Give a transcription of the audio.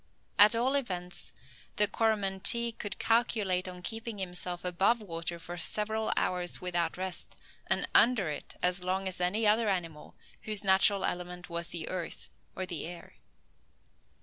At all events, the Coromantee could calculate on keeping himself above water for several hours without rest, and under it as long as any other animal whose natural element was the earth or the air.